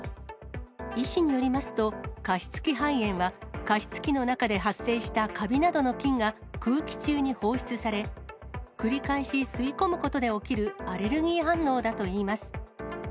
医師によりますと、加湿器肺炎は加湿器の中で発生したカビなどの菌が空気中に放出され、繰り返し吸い込むことで起きるアレルギー反応だといいます。